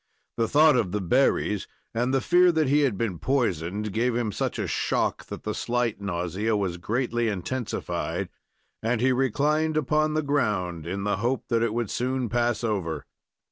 The thought of the berries, and the fear that he had been poisoned, gave him such a shock that the slight nausea was greatly intensified, and he reclined upon the ground in the hope that it would soon pass over.